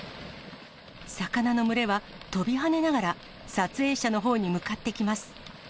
魚の群れは、跳びはねながら、撮影者のほうに向かってきます。